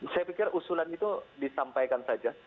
saya pikir usulan itu disampaikan saja